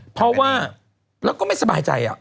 เพราะว่าแล้วก็ไม่สบายใจ